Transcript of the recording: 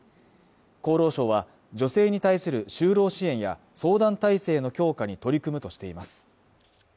厚労省は女性に対する就労支援や相談体制の強化に取り組むとしています